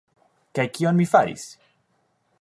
Kaj kion mi faris?